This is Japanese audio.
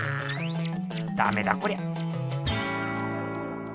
ダメだこりゃ。